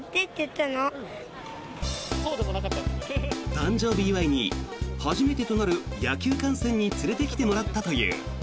誕生日祝いに初めてとなる野球観戦に連れてきてもらったという。